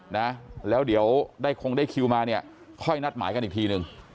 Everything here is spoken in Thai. นะแล้วเดี๋ยวได้คงได้คิวมาเนี่ยค่อยนัดหมายกันอีกทีหนึ่ง